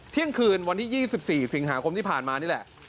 เที่ยงคืนวันที่๒๔สิงหาคมที่ผ่านมานี่แหละ